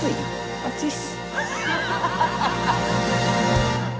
暑いっす。